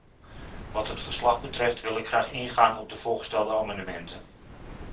Wat het verslag betreft, wil ik graag ingaan op de voorgestelde amendementen.